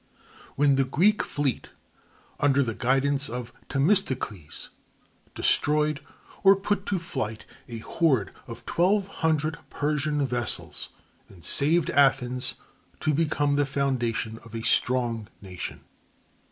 when the Greek fleet, under the guidance of Themistocles, destroyed or put to flight a horde of twelve hundred Persian vessels, and saved Athens, to become the foundation of a strong nation.